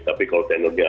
tapi kalau tenornya besar